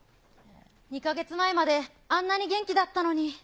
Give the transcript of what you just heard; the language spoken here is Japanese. ２か月前まであんなに元気だったのに。